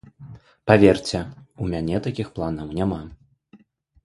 Паверце, у мяне такіх планаў няма.